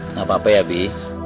nggak apa apa ya bi